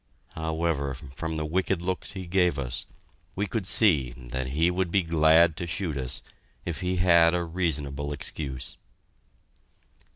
However, from the wicked looks he gave us, we could see that he would be glad to shoot us if he had a reasonable excuse.